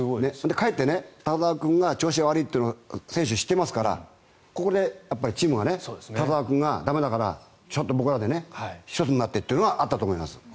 かえって田澤君が調子が悪いって選手、知っていますからここでチームが田澤君が駄目だからちょっと僕らで一つになってってところはあったと思います。